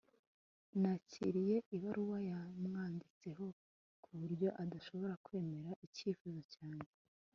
nakiriye ibaruwa yamwanditseho ku buryo adashobora kwemera icyifuzo cyanjye